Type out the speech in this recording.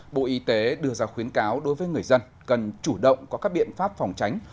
bộ y tế đưa ra khuyến cáo đối với người dân cần chủ động có các biện pháp phòng tránh